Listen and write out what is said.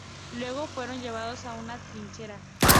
Luego fueron llevados a una trinchera.